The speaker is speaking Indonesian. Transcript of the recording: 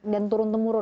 dan turun temurun